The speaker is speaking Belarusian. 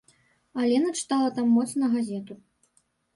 Алена чытала там моцна газету.